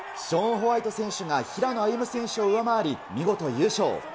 ショーン・ホワイト選手が平野歩夢選手を上回り、見事、優勝。